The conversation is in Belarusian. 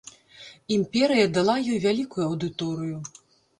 Імперыя дала ёй вялікую аўдыторыю.